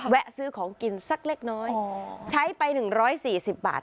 แวะซื้อของกินสักเล็กน้อยใช้ไปหนึ่งร้อยสี่สิบบาท